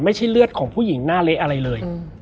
ไม่ใช่เลือดของผู้หญิงหน้าเละอะไรเลย